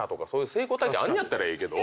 成功体験あるんやったらええけど。